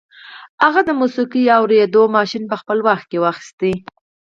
هغه د موسیقي اورېدو ماشين په خپل واک کې واخیست